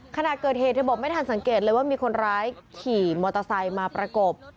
ขณะเกิดเหตุเธอบอกไม่ทันสังเกตเลยว่ามีคนร้ายขี่มอเตอร์ไซค์มาประกบ